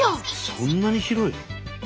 そんなに広いの？